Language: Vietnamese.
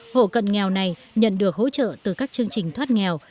hộ cận nghèo này nhận được hỗ trợ từ các chương trình thoát nghèo